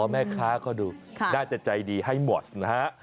แม่ค้าก็ดูน่าจะใจดีให้หมดนะฮะ